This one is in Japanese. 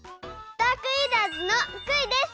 ダークイーターズのクイです。